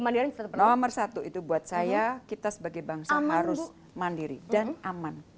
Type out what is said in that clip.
mandiri nomor satu itu buat saya kita sebagai bangsa harus mandiri dan aman